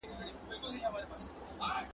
جعلي خبرونه د ټاکنو پر پايلو څه ډول اغېز کوي؟